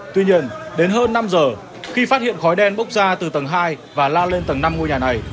tuy nhiên đến hơn năm giờ khi phát hiện khói đen bốc ra từ tầng hai và lan lên tầng năm ngôi nhà này